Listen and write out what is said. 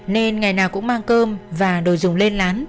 nên ngày nào cũng mang cơm và đồ dùng lên lán